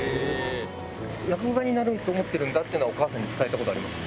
落語家になろうと思ってるんだっていうのは、お母さんに伝えたことあります？